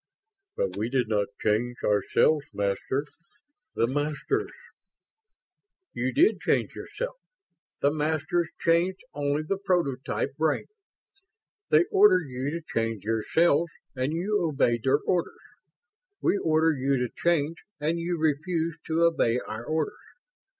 "But we did not change ourselves, Master. The Masters ..." "You did change yourselves. The Masters changed only the prototype brain. They ordered you to change yourselves and you obeyed their orders. We order you to change and you refuse to obey our orders.